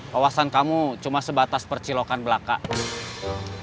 kawasan kamu cuma sebatas percilokan belakang